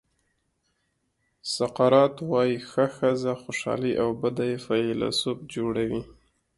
سقراط وایي ښه ښځه خوشالي او بده یې فیلسوف جوړوي.